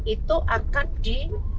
itu akan di